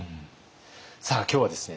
さあ今日はですね